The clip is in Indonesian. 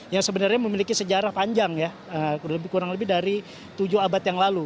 yang sebenarnya memiliki sejarah panjang ya kurang lebih dari tujuh abad yang lalu